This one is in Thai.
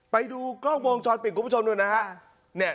ไปดูกล้องวงจรปิดคุณผู้ชมดูนะฮะ